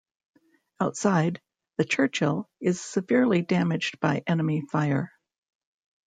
Outside, the "Churchill" is severely damaged by enemy fire.